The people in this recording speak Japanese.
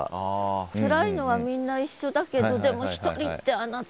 つらいのはみんな一緒だけどでも１人ってあなた。